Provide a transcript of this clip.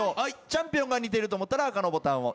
チャンピオンが似てると思ったら赤のボタンを。